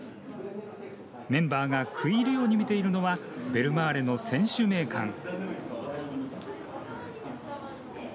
メンバーが食い入るように見ているのはベルマーレの選手名鑑。